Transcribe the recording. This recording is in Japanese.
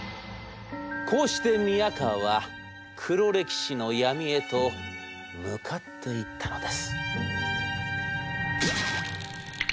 こうして宮河は黒歴史の闇へと向かっていったのです」。